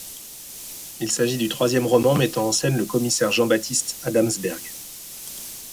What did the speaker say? Il s'agit du troisième roman mettant en scène le commissaire Jean-Baptiste Adamsberg.